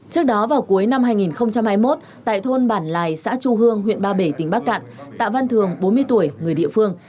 trước đó vào cuối năm hai nghìn hai mươi một tại thôn bản lài xã chu hương huyện ba bể tỉnh bắc cạn tạ văn thường bốn mươi tuổi người địa phương